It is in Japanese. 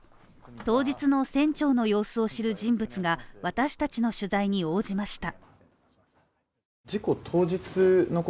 当日の船長の様子を知る人物が私たちの取材に応じました。